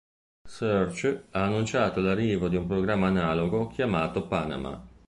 Search ha annunciato l'arrivo di un programma analogo chiamato Panama.